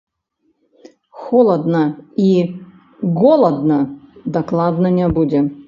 Холадна і голадна дакладна не будзе.